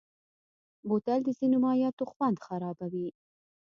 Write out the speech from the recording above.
بوتل د ځینو مایعاتو خوند خرابوي.